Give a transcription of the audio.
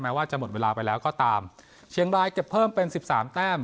ว่าจะหมดเวลาไปแล้วก็ตามเชียงรายเก็บเพิ่มเป็นสิบสามแต้ม